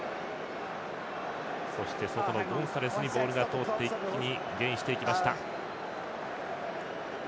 そして外のゴンサレスにボールが通って一気にゲインしていきました。